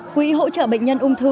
quỹ hỗ trợ bệnh nhân ung thư